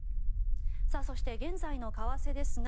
そして、現在の為替ですが